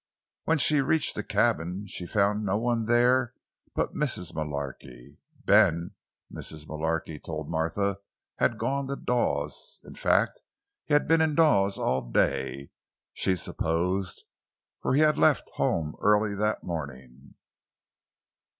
When she reached the cabin she found no one there but Mrs. Mullarky. Ben, Mrs. Mullarky told Martha, had gone to Dawes—in fact, he had been in Dawes all day, she supposed, for he had left home early that morning.